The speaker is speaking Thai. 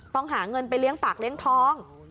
หาเงินไปเลี้ยงปากเลี้ยงทอง